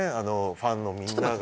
ファンのみんなが。